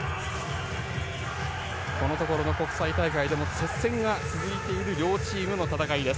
このところの国際大会でも接戦が続いている両チームの戦いです。